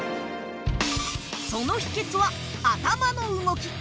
その秘訣は、頭の動き。